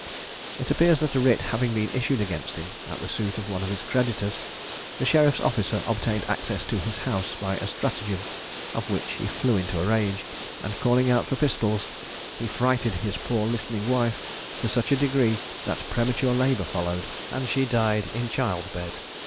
It appears that a writ having been issued against him at the suit of one of his creditors, the sheriff's officer obtained access to his house by a stratagem, on which he flew into a rage, and calling out for pistols, he frighted his poor listening wife to such a degree that premature labour followed, and she died in childbed.